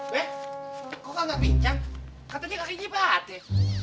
be kok lo enggak bincang katanya kakinya pahat ya